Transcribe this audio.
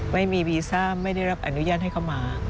ไม่มีวีซ่าไม่ได้รับอนุญาตให้เข้ามา